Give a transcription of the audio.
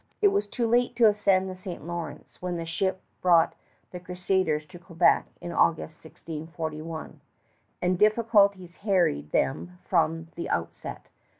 It was too late to ascend the St. Lawrence when the ship brought the crusaders to Quebec in August, 1641; and difficulties harried them from the outset.